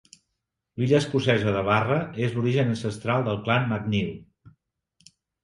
L'illa escocesa de Barra és l'origen ancestral del clan MacNeil.